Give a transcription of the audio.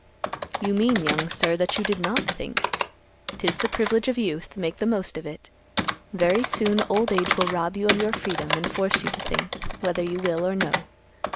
"You mean, young sir, that you did not think. 'Tis the privilege of youth; make the most of it. Very soon old age will rob you of your freedom, and force you to think, whether you will or no.